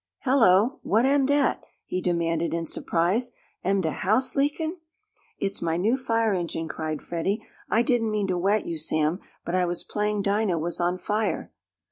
"Hello! What am dat?" he demanded in surprise. "Am de house leakin'?" "It's my new fire engine!" cried Freddie. "I didn't mean to wet you, Sam, but I was playing Dinah was on fire!"